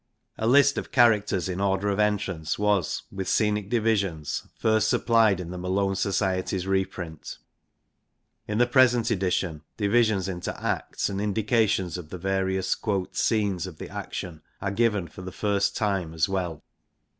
A list of characters in order of entrance was, with scenic divisions, first supplied in the Malone Society's reprint. In the present edition, divisions into Acts and indications of the various 1 scenes ' of the action are given for the first time as well.